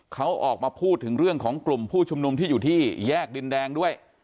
เขาออกมาพูดถึงเรื่องของกลุ่มผู้ชุมนุมที่อยู่ที่แยกดินแดงด้วย